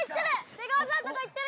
出川さんのとこいってるよ！